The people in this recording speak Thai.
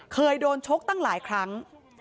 เคยโดนชกตั้งหลายครั้ง